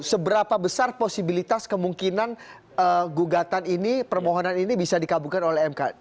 seberapa besar posibilitas kemungkinan gugatan ini permohonan ini bisa dikabulkan oleh mk